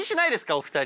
お二人。